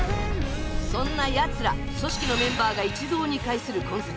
そんなヤツら組織のメンバーが一堂に会する今作